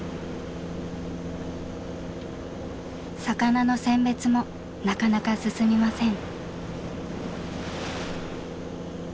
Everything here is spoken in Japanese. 魚の選別もなかなか進みません。